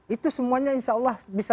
itu semuanya insya allah bisa